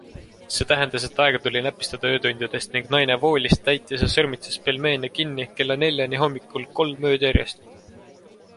See tähendas, et aega tuli näpistada öötundidest, ning naine voolis, täitis ja sõrmitses pelmeene kinni kella neljani hommikul kolm ööd järjest.